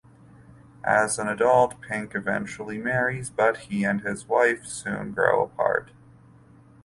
As an adult, Pink eventually marries, but he and his wife soon grow apart.